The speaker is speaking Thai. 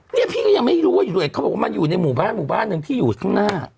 เนี่ยพี่ก็ยังไม่รู้ว่าอยู่ด้วยเขาบอกว่ามันอยู่ในหมู่บ้านหมู่บ้านหนึ่งที่อยู่ข้างหน้า